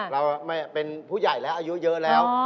เราไม่เป็นผู้ใหญ่แล้วอายุเยอะแล้ว